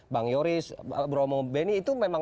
bang yoris bromo beni itu memang